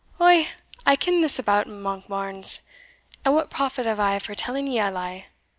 "Ou, I ken this about it, Monkbarns and what profit have I for telling ye a lie?